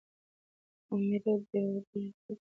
په عمومي ډول ډیوډرنټ الکول لري.